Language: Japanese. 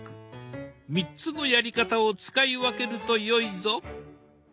３つのやり方を使い分けるとよいぞ。